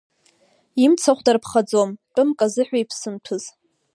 Имцахә дарԥхаӡом, тәымк азыҳәа иԥсымҭәыз.